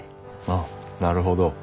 ああなるほど。